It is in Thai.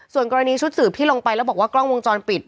ส่วนกรณีชุดสืบที่ลงไปแล้วบอกว่ากล้องวงจรปิด